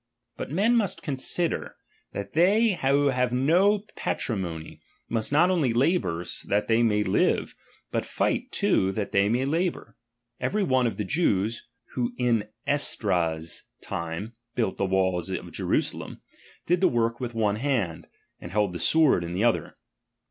But ^| men must consider, that they who have no patri H mony, must not only labour that they may live, H but fight too that they may labour. Every one H of the Jews, who in Esdras' time built the walls I of Jerusalem, did the work witli one hand, and I held the sword in the other.